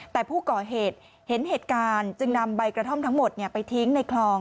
แต่ผู้ก่อเหตุเห็นเหตุการณ์จึงนำใบกระท่อมทั้งหมดไปทิ้งในคลอง